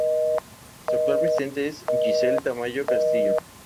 Su actual presidente es Giselle Tamayo Castillo.